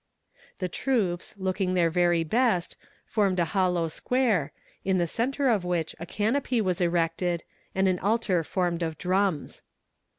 The troops, looking their very best, formed a hollow square, in the center of which a canopy was erected, and an altar formed of drums.